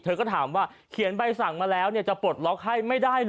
เธอก็ถามว่าเขียนใบสั่งมาแล้วจะปลดล็อกให้ไม่ได้เหรอ